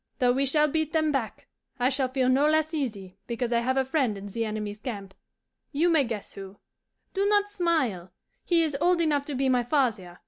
Though we shall beat them back, I shall feel no less easy because I have a friend in the enemy's camp. You may guess who. Do not smile. He is old enough to be my father.